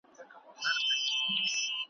موږ پخپله دی ښکاري ته پر ورکړی `